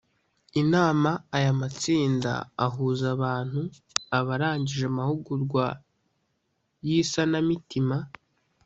Inama aya matsinda ahuza abantu abarangije amahugurwa y isanamitima